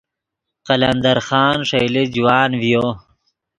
قلمدر خان ݰئیلے جوان ڤیو